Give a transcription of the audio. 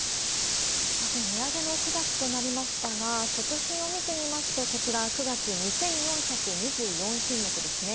さて、値上げの９月となりましたが、食品を見てみますと、こちら、９月、２４２４品目ですね。